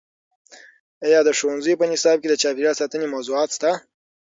ایا د ښوونځیو په نصاب کې د چاپیریال ساتنې موضوعات شته؟